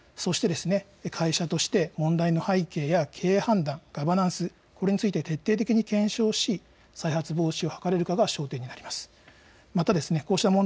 そして会社として問題の背景や経営判断、ガバナンス、これについて徹底的に検証し再発防止を図れるかが焦点になります。